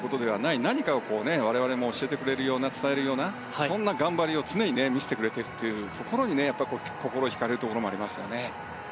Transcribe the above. そんな何かを我々に教えてくれるような伝えるようなそんな頑張りを常に見せてくれているというところに結構、心引かれるところがありますね。